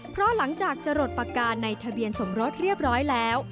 เพราะหลังจากจะหลดปากกาในทะเบียนสมรสเรียบร้อยแล้ว